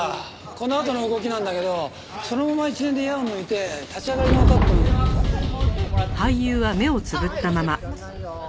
このあとの動きなんだけどそのまま一連で矢を抜いて立ち上がりのカットまで。